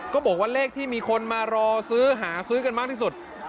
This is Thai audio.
ก็บอกว่าเลขที่มีคนมารอซื้อหาซื้อกันมากที่สุด